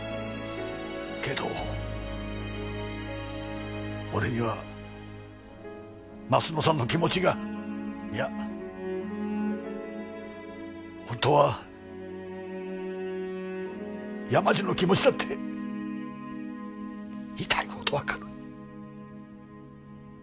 けど俺には鱒乃さんの気持ちがいや本当は山路の気持ちだって痛いほどわかる。